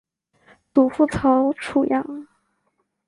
祖父曹楚阳。